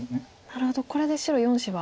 なるほどこれで白４子は。